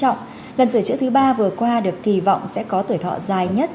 so với những lần sửa chữa thứ ba vừa qua được kỳ vọng sẽ có tuổi thọ dài nhất